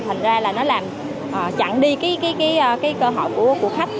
thành ra là nó làm chặn đi cái cơ hội của khách